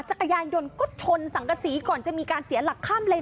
จักรยานยนต์ก็ชนสังกษีก่อนจะมีการเสียหลักข้ามเลน